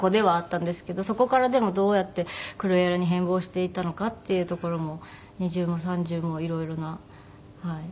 そこからでもどうやってクルエラに変貌していったのかっていうところも二重も三重もいろいろなはい。